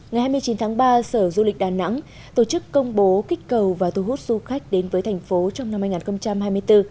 ngày hai mươi chín tháng ba sở du lịch đà nẵng tổ chức công bố kích cầu và thu hút du khách đến với thành phố trong năm hai nghìn hai mươi bốn